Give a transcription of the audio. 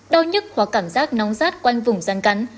đau nhức hoặc cảm giác nóng rát quanh vùng rắn cắn